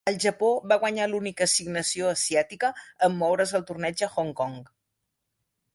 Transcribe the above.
El Japó va guanyar l'única assignació asiàtica en moure's el torneig a Hong Kong.